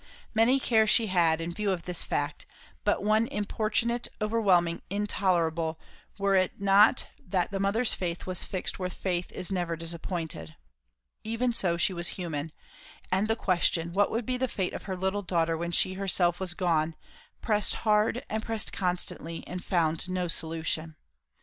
Many cares she had not, in view of this fact; but one importunate, overwhelming, intolerable, were it not that the mother's faith was fixed where faith is never disappointed. Even so, she was human; and the question, what would be the fate of her little daughter when she herself was gone, pressed hard and pressed constantly, and found no solution.